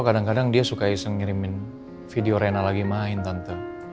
kadang kadang dia suka iseng ngirimin video rena lagi main tante